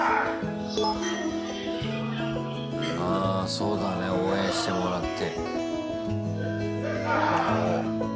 そうだね応援してもらって。